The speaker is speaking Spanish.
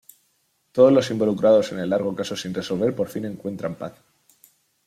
Todos los involucrados en el largo caso sin resolver por fin encuentran paz.